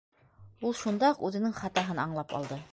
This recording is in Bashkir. Ул шунда уҡ үҙенең хатаһын аңлап алды.